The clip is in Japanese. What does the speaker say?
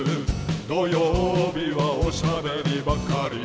「土曜日はおしゃべりばかり」